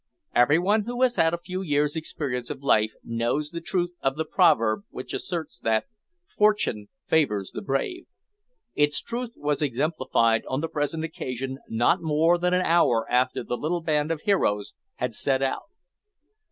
Every one who has had a few years' experience of life knows the truth of the proverb which asserts that "fortune favours the brave." Its truth was exemplified on the present occasion not more than an hour after the little band of heroes had set out.